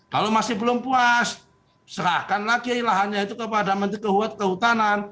kalau masih belum puas serahkan lagi lahannya itu kepada menteri kehutanan